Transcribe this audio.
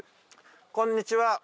こんにちは。